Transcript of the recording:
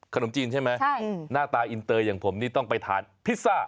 ขนมจีนใช่ไหมใช่หน้าตาอินเตอร์อย่างผมนี่ต้องไปทานพิซซ่า